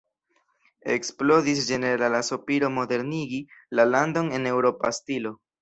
Eksplodis ĝenerala sopiro modernigi la landon en eŭropa stilo.